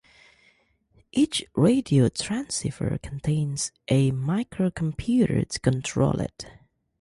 Each radio transceiver contains a microcomputer to control it.